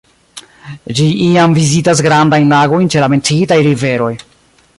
Ĝi iam vizitas grandajn lagojn ĉe la menciitaj riveroj.